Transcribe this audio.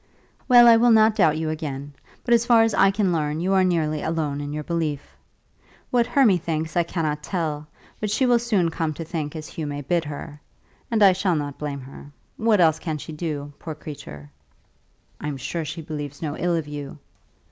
"Well, I will not doubt you again. But as far as I can learn you are nearly alone in your belief. What Hermy thinks I cannot tell, but she will soon come to think as Hugh may bid her. And I shall not blame her. What else can she do, poor creature?" "I am sure she believes no ill of you."